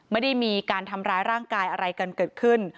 ไม่ได้มีการทำร้ายร่างกายอะไรกันเกิดขึ้น